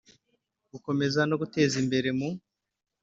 Gukomeza no guteza imbere mu